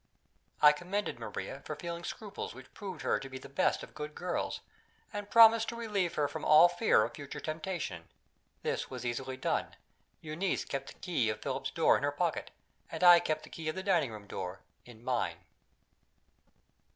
I commended Maria for feeling scruples which proved her to be the best of good girls, and promised to relieve her from all fear of future temptation. This was easily done. Euneece kept the key of Philip's door in her pocket; and I kept the key of the dining room door in mine.